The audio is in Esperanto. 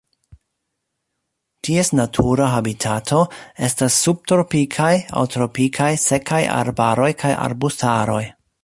Ties natura habitato estas subtropikaj aŭ tropikaj sekaj arbaroj kaj arbustaroj.